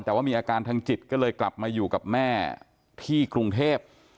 แต่ว่ามีอาการทางจิตก็เลยกลับมาอยู่กับแม่ที่กรุงเทพ